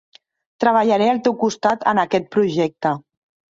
Treballaré al teu costat en aquest projecte.